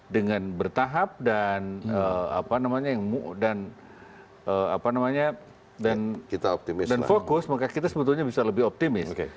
dengan bertahap dan fokus maka kita sebetulnya bisa lebih optimis